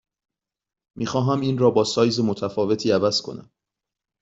می خواهم این را با سایز متفاوتی عوض کنم.